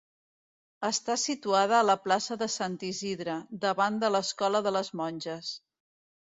Està situada a la plaça de Sant Isidre, davant de l'escola de les monges.